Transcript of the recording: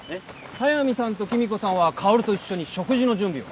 速見さんと君子さんは薫と一緒に食事の準備を。